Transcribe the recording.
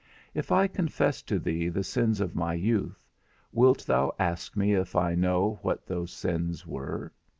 If I confess to thee the sins of my youth, wilt thou ask me if I know what those sins were?